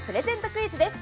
クイズです